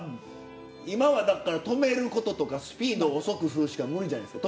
今はだから止めることとかスピードを遅くするしか無理じゃないですか。